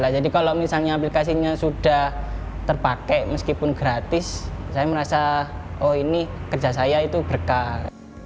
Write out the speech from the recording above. jadi kalau misalnya aplikasinya sudah terpakai meskipun gratis saya merasa oh ini kerja saya itu berkah